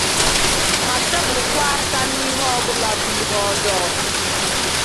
ma sepụkwa aka n'ihe ọbụla bụ ihe ọjọọ